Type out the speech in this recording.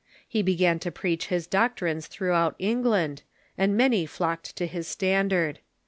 He began to preach his doctrines through out England, and many flocked to his standard.